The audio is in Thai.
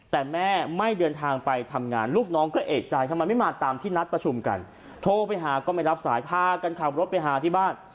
แต่แม่ไม่เดินทางไปทำงานลูกน้องก็เอกใจทำไมไม่มาตามที่นัดประชุมกันโทรไปหาก็ไม่รับสายพากันขับรถไปหาที่บ้าน